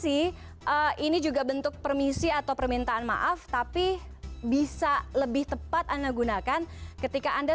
sih ini juga bentuk permisi atau permintaan maaf tapi bisa lebih tepat anda gunakan ketika anda